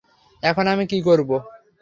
এখন আমি কী করবো?